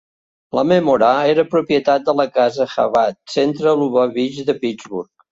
La menorà era propietat de la casa Habad, centre lubavitx de Pittsburgh.